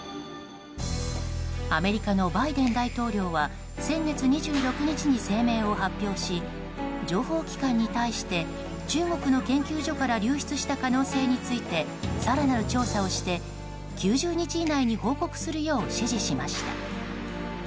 アメリカのバイデン大統領は先月２６日に声明を発表し情報機関に対して中国の研究所から流出した可能性について更なる調査をして、９０日以内に報告するよう指示しました。